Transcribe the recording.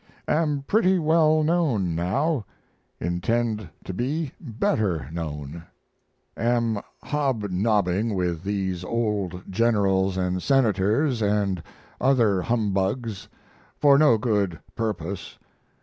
Am pretty well known now intend to be better known. Am hobnobbing with these old Generals and Senators and other humbugs for no good purpose.